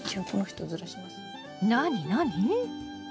何何？